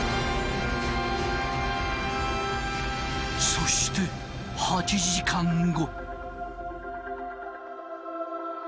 そして８時間後。